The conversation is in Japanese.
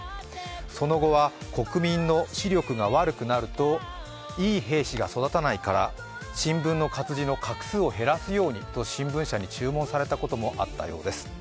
その後は国民の視力が悪くなるといい兵士が育たないから新聞の活字の画数を減らすようにと新聞社に注文されたこともあったようです。